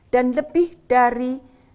dan lebih dari